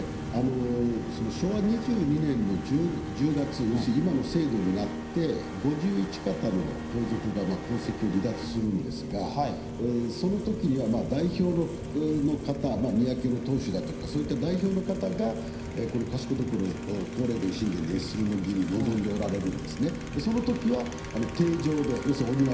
昭和２２年の１０月、要するに今の制度になって５１方の皇族が皇籍を離脱するんですが、そのときには代表の方、宮家の当主だとか、そういった代表の方がこの賢所、皇霊殿えっするの儀に臨んでおられるんですね。